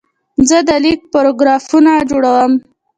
زه د لیک پاراګرافونه جوړوم.